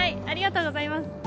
ありがとうございます。